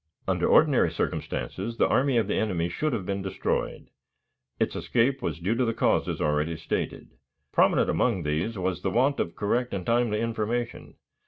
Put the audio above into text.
Under ordinary circumstances the army of the enemy should have been destroyed. Its escape was due to the causes already stated. Prominent among these was the want of correct and timely information.